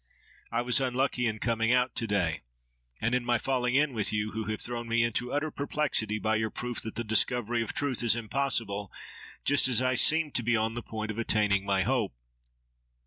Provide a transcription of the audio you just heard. I was unlucky in coming out to day, and in my falling in with you, who have thrown me into utter perplexity by your proof that the discovery of truth is impossible, just as I seemed to be on the point of attaining my hope.